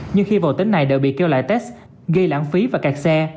nhưng khi vụ tính này đợi bị kêu lại test gây lãng phí và cạt xe